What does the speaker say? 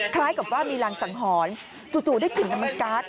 คล้ายกับว่ามีรังสังหรณ์จู่ได้กลิ่นน้ำมันการ์ด